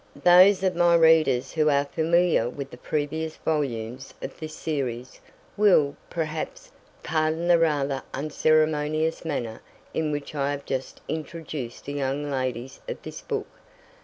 Those of my readers who are familiar with the previous volumes of this series, will, perhaps, pardon the rather unceremonious manner in which I have just introduced the young ladies of this book.